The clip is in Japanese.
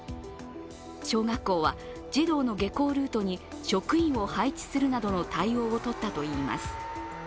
小学校は児童の下校ルートに職員を配置するなどの対応をとったといいます。